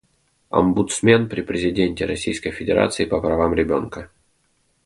Омбудсмен при президенте Российской Федерации по правам ребёнка.